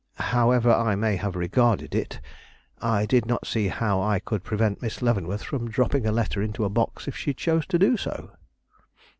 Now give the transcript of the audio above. "However I may have regarded it, I did not see how I could prevent Miss Leavenworth from dropping a letter into a box if she chose to do so."